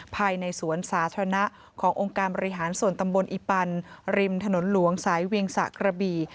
ภายในสวนสาธารณะขององค์การบริหารส่วนตำบลอีปันริมถนนหลวงสายเวียงสะกระบี่